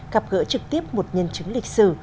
gặp gỡ trực tiếp một nhân chứng lịch sử